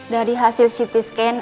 dari hasil ct scan